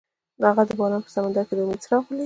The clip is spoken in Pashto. هغه د باران په سمندر کې د امید څراغ ولید.